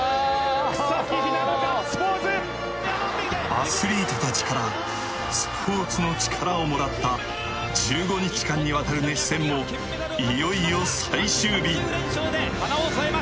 アスリートたちからスポーツのチカラをもらった１５日間にわたる熱戦もいよいよ最終日。